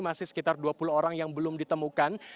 masih sekitar dua puluh orang yang belum ditemukan